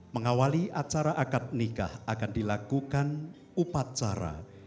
mengawali acara akad nikah akan dilakukan upacara